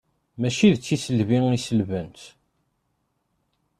Mačči d tiselbi i selbent.